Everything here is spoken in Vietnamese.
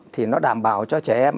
thì nó đảm bảo cho trẻ em